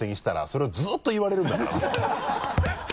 それをずっと言われるんだから